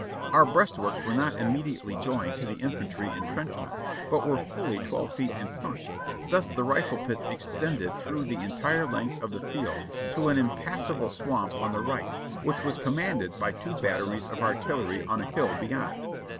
Our breastworks were not immediately joined to the infantry en trenchments, but were fully twelve feet in front ; thus the rifle pits extended through the entire length of the field to an impass able swamp on the right, which was commanded by two batteries of artillery on a hill beyond.